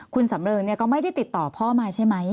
คุณสำเริงก็ไม่ได้ติดต่อพ่อมาใช่ไหม